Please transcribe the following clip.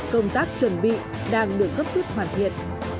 công tác chuẩn bị đang được cấp dứt hoàn thiện